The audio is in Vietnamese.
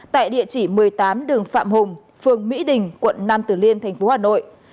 tại địa chỉ một mươi tám đường phạm hùng phường mỹ đình quận năm tử liên tp hcm